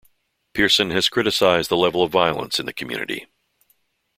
Pearson has criticised the level of violence in the community.